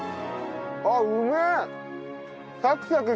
あっうめえ！